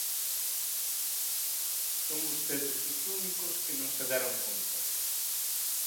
Son vostedes os únicos que non se deron conta.